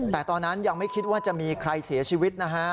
แต่ตอนนั้นยังไม่คิดว่าจะมีใครเสียชีวิตนะฮะ